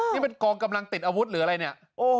นี่มันกองกำลังติดอาวุธหรืออะไรเนี่ย